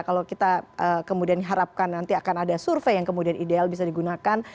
kalau kita kemudian harapkan nanti akan ada survei yang kemudian ideal bisa digunakan